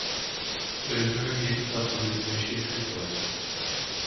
Eles não emitem faturas neste escritório.